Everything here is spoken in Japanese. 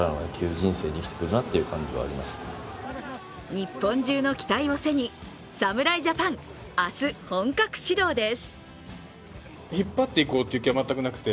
日本中の期待を背に侍ジャパン明日、本格始動です。